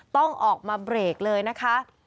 ต้องออกมาเบรกเลยนะคะ